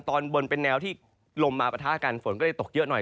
ตอนบนเป็นแนวที่ลมมาปะทะกันฝนก็เลยตกเยอะหน่อย